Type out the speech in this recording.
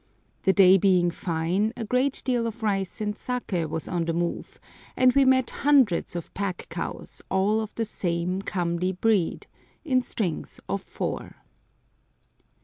The day being fine, a great deal of rice and saké was on the move, and we met hundreds of pack cows, all of the same comely breed, in strings of four.